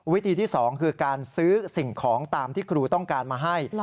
วิธีที่๒คือการซื้อสิ่งของตามที่ครูต้องการมาให้